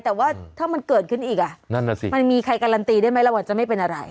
แต่ว่าถ้ามันเกิดขึ้นอีกอ่ะนั่นน่ะสิมันมีใครการันตีได้ไหมเราว่าจะไม่เป็นอะไร